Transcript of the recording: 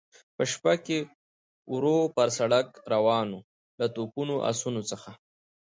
په شپه کې ورو پر سړک روان و، له توپونو، اسونو څخه.